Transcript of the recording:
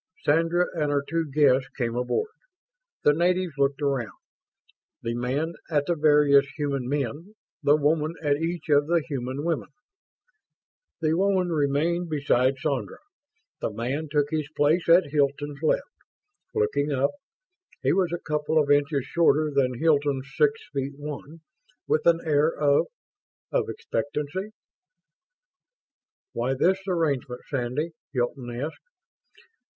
Sandra and her two guests came aboard. The natives looked around; the man at the various human men, the woman at each of the human women. The woman remained beside Sandra; the man took his place at Hilton's left, looking up he was a couple of inches shorter than Hilton's six feet one with an air of ... of expectancy! "Why this arrangement, Sandy?" Hilton asked.